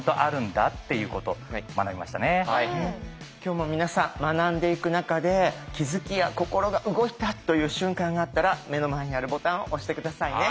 今日も皆さん学んでいく中で気付きや心が動いたという瞬間があったら目の前にあるボタンを押して下さいね。